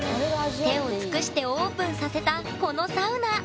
手を尽くしてオープンさせたこのサウナ。